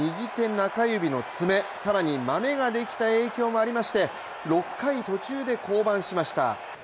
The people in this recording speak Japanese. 中指のマメ更にマメができた影響もありまして６回途中で降板しました。